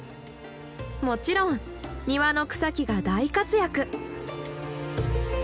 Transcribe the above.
もちろん庭の草木が大活躍。